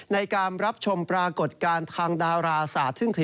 ในการรับชมปรากฏการณ์ทางดาราสาธิกฤษ